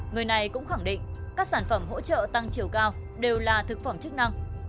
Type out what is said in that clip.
người này cũng khẳng định các sản phẩm hỗ trợ tăng chiều cao đều là thực phẩm chức năng